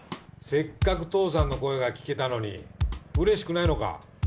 せっかく父さんの声が聞けたのにうれしくないのか？